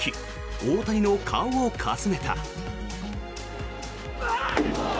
大谷の顔をかすめた。